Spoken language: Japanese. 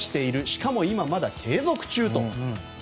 しかも今まだ継続中と。